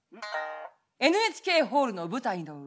ＮＨＫホールの舞台の上。